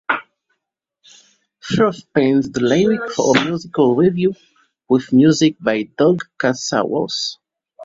Furth penned the lyrics for a musical revue, with music by Doug Katsaros.